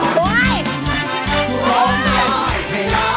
ร้องได้ให้ร้อง